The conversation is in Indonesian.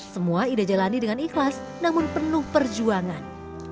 semua ida jalani dengan ikhlas namun penuh perjuangan